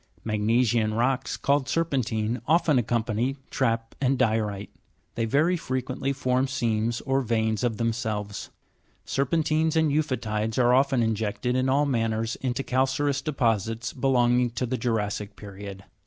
Magne sian rocks, called ser'pentine, often accompany trap and di'orite ; they very frequently form seams or veins of themselves. Ser' pentines and eu'photides are often injected in all manners into cal careous deposits belonging to the jura'ssic period.